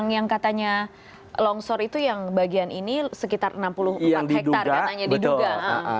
yang katanya longsor itu yang bagian ini sekitar enam puluh empat hektare katanya diduga